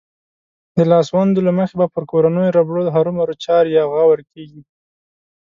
د لاسوندو له مخې به پر کورنيو ربړو هرومرو چار يا غور کېږي.